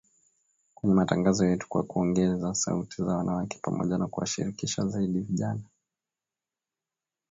kwenye matangazo yetu kwa kuongeza sauti za wanawake, pamoja na kuwashirikisha zaidi vijana